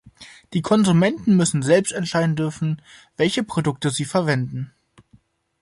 Die Konsumenten müssen selbst entscheiden dürfen, welche Produkte sie verwenden.